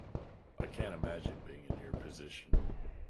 I can't imagine being in your position.